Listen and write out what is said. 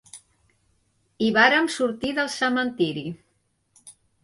...i vàrem sortir del cementiri.